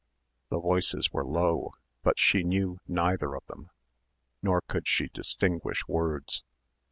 The voices were low, but she knew neither of them, nor could she distinguish words.